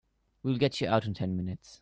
We'll get you out in ten minutes.